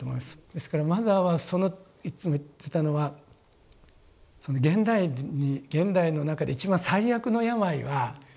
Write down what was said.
ですからマザーはいつも言ってたのはその現代に現代の中で一番最悪の病は孤独だと。